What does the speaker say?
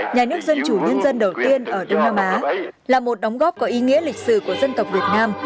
nhà nước dân chủ nhân dân đầu tiên ở đông nam á là một đóng góp có ý nghĩa lịch sử của dân tộc việt nam